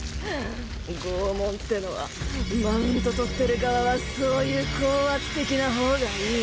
拷問ってのはマウント取ってる側はそういう高圧的な方がいい。